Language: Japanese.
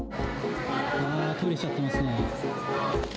あー、トイレしちゃってますね。